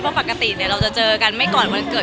เพราะปกติเราจะเจอกันไม่ก่อนวันเกิด